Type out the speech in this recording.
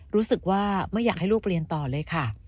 รู้สึกว่าไม่อยากให้ลูกเรียนต่อเลยค่ะ